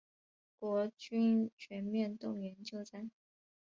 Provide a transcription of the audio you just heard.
国军全面动员救灾